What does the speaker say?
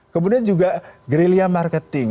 kemudian juga guerilla marketing